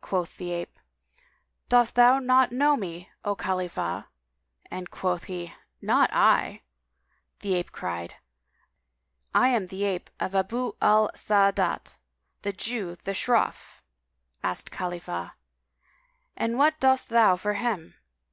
Quoth the ape, "Dost thou not know me, O Khalifah!"; and quoth he, "Not I!" The ape cried, "I am the ape of Abu al Sa'ádát [FN#193] the Jew, the shroff." Asked Khalifah, "And what dost thou for him?"